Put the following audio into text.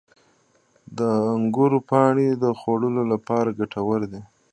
• د انګورو پاڼې د خوړو لپاره ګټور دي.